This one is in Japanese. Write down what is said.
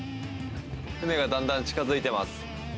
船がだんだん近付いてます。